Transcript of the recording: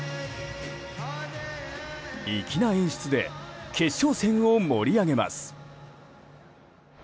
粋な演出で決勝戦を盛り上げます。